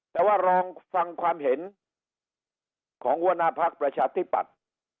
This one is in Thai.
แต่ว่าลองฟังความเห็นของหัวหน้าพักประชาธิปัตย์